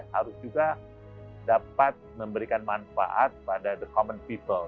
harus juga dapat memberikan manfaat pada the common people